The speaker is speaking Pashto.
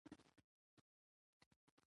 کیمیاګر د ژوند ژور حقیقتونه ښیي.